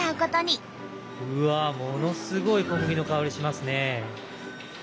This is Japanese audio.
ものすごい小麦の香りしますね。